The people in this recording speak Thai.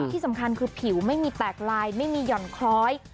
ที่สำคัญคือผิวไม่มีแตกลายไม่มีห่อนคล้อย